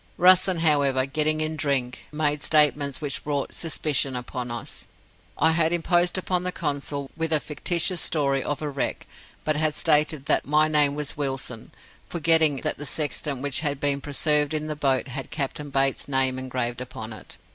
Russen, however, getting in drink, made statements which brought suspicion upon us. I had imposed upon the Consul with a fictitious story of a wreck, but had stated that my name was Wilson, forgetting that the sextant which had been preserved in the boat had Captain Bates's name engraved upon it.